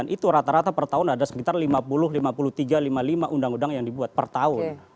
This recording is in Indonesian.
itu rata rata per tahun ada sekitar lima puluh lima puluh tiga lima puluh lima undang undang yang dibuat per tahun